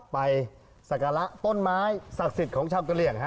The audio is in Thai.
ศักระต้นไม้ศักดิ์สิทธิ์ของชาวกะเหลี่ยง